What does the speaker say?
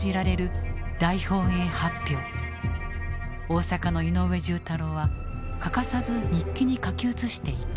大阪の井上重太郎は欠かさず日記に書き写していた。